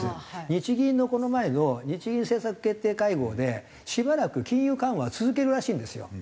日銀のこの前の日銀政策決定会合でしばらく金融緩和は続けるらしいんですよ。